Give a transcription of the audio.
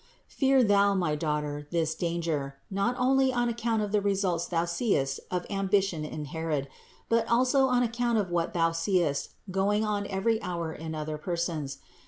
Fear thou, my daughter, this danger, not only on account of the results thou seest of ambition in Herod, but also on account of what thou seest going on every hour in other persons.